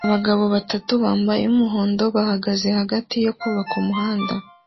Abagabo batatu bambaye umuhondo bahagaze hagati yo kubaka umuhanda